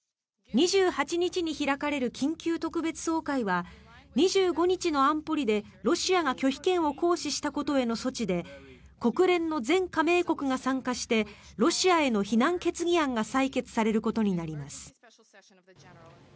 ２８日に開かれる緊急特別総会は２５日の安保理でロシアが拒否権を行使したことへの措置で国連の全加盟国が参加してロシアへの非難決議案が採決されることになります。